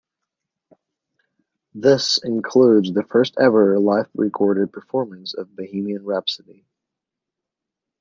This includes the first ever live recorded performance of "Bohemian Rhapsody".